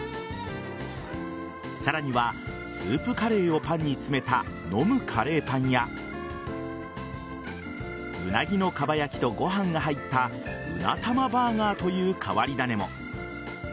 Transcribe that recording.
さらにはスープカレーをパンに詰めた飲むカレーパンやうなぎのかば焼きとご飯が入ったうな玉バーガーという変わり種も。